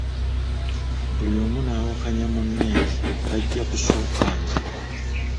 Buli omu nawakanya munne nti bajja kusooka nze.